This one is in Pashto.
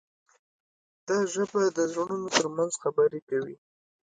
دا ژبه د زړونو ترمنځ خبرې کوي.